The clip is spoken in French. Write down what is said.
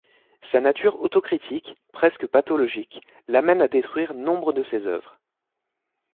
Sa nature auto-critique, presque pathologique, l'amène à détruire nombre de ses œuvres.